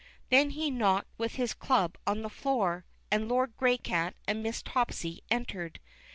Then he knocked with his club on the floor, and Lord Graycat and Miss Topsy entered.